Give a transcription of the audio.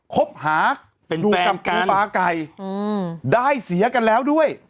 คบหาเป็นแฟนกันดูกับครูบาร์ไก่อืมได้เสียกันแล้วด้วย